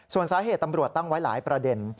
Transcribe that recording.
ส่วนสาเหตุตำรวจตั้งไว้หลายประเด็น